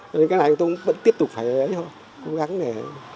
cho nên cái này tôi cũng vẫn tiếp tục phải cố gắng để